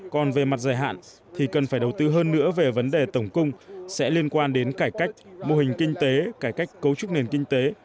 còn về mặt dài hạn thì cần phải đầu tư hơn nữa về vấn đề tổng cung sẽ liên quan đến cải cách mô hình kinh tế cải cách cấu trúc nền kinh tế